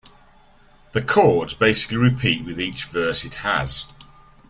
The chords basically repeat with each verse it has.